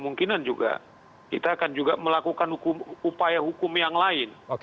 mungkinan juga kita akan juga melakukan upaya hukum yang lain